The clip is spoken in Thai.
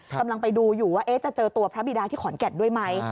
กำลังไปดูอยู่ว่าจะเจอตัวพระบิดาที่ขอนแก่นด้วยไหม